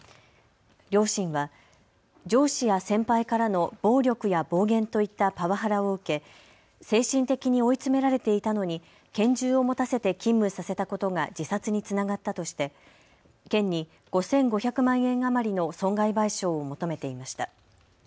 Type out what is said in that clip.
両親は上司や先輩からの暴力や暴言といったパワハラを受け精神的に追い詰められていたのに拳銃を持たせて勤務させたことが自殺につながったとして県に５５００万円余りの損害賠償を求めていました。